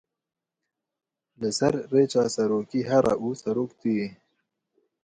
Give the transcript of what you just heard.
Li ser rêça serokî here û serok tu yî.